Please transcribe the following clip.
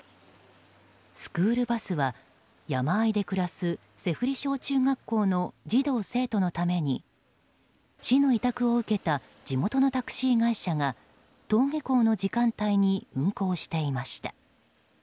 スクールバスは山あいで暮らす脊振小中学校の児童生徒のために市の委託を受けた地元のタクシー会社が登下校の時間帯に運行していました。